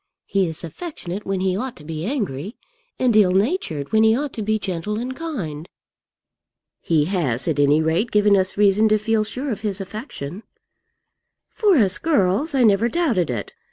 He is affectionate when he ought to be angry, and ill natured when he ought to be gentle and kind." "He has, at any rate, given us reason to feel sure of his affection." "For us girls, I never doubted it.